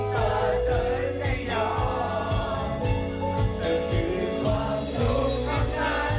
ถ้าเธอไม่รับกันคือสิ่งที่ต้องฝ่าย